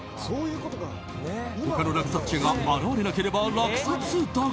他の落札者が現れなければ落札だが。